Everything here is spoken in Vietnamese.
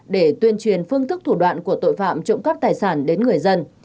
để tuyên truyền phương thức thủ đoạn của tội phạm trộm cắp tài sản đến người dân